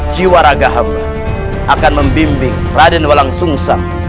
jiwa raga hamba akan membimbing pradin walang sungsa